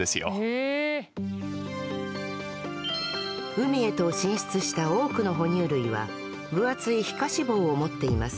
海へと進出した多くの哺乳類は分厚い皮下脂肪を持っています。